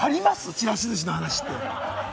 ちらし寿司の話って。